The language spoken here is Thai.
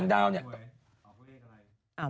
คนลุกก็เห็นหรือเปล่า